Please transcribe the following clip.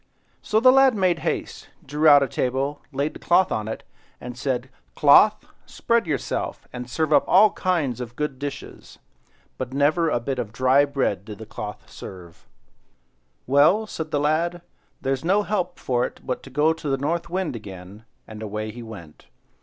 So the lad made haste, drew out a table, laid the cloth on it, and said— "Cloth, spread yourself, and serve up all kinds of good dishes." But never a bit of dry bread did the cloth serve "Well," said the lad, "there's no help for it but to go to the North Wind again;" and away he went.